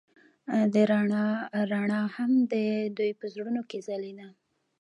د رڼا رڼا هم د دوی په زړونو کې ځلېده.